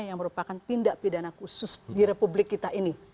yang merupakan tindak pidana khusus di republik kita ini